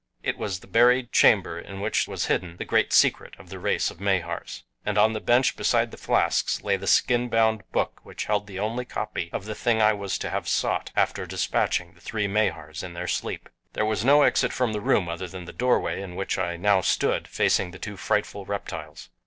It was the buried chamber in which was hidden the Great Secret of the race of Mahars. And on the bench beside the flasks lay the skin bound book which held the only copy of the thing I was to have sought, after dispatching the three Mahars in their sleep. There was no exit from the room other than the doorway in which I now stood facing the two frightful reptiles.